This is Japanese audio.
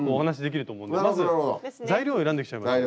まず材料を選んできちゃいましょう。